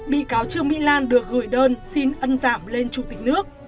bị cáo trương mỹ lan được gửi đơn xin ân giảm lên chủ tịch nước